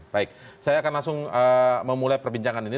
baik saya akan langsung memulai perbincangan ini